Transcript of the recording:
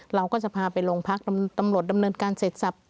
เราก็จะพาไปโรงพักตำรวจดำเนินการเสร็จสับ